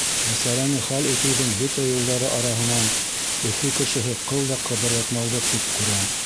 Мәсьәләне хәл итеүҙең бөтә юлдары араһынан Өфө кешеһе ҡыл да ҡыбырлатмауҙы хуп күрә.